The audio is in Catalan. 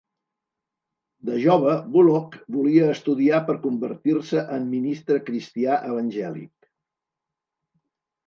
De jove, Bullock volia estudiar per convertir-se en ministre cristià evangèlic.